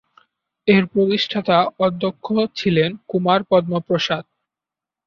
এর প্রতিষ্ঠাতা অধ্যক্ষ ছিলেন কুমার পদ্ম প্রসাদ।